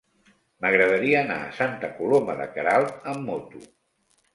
M'agradaria anar a Santa Coloma de Queralt amb moto.